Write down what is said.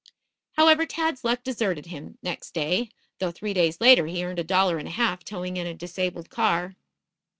However, Tad's luck deserted him next day, though three days later he earned a dollar and a half towing in a disabled car.